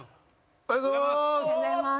おはようございます。